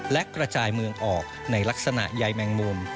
และกระจายเมืองออกในลักษณะใยแมงมุม